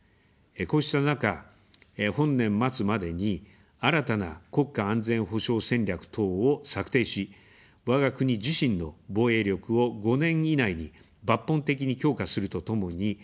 こうした中、本年末までに新たな国家安全保障戦略等を策定し、わが国自身の防衛力を５年以内に抜本的に強化するとともに、日米同盟の抑止力・対処力を一層強化します。